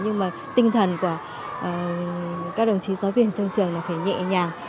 nhưng mà tinh thần của các đồng chí giáo viên trong trường là phải nhẹ nhàng